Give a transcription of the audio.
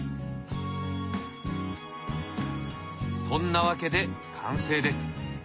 そんなわけで完成です。